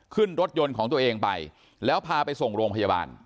ขึ้นรถยนต์ของตัวเองไปแล้วพาไปส่งโรงพยาบาล